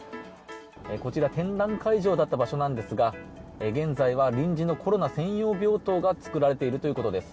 こちら展覧会場だった場所なんですが現在は臨時のコロナ専用病棟が作られているということです。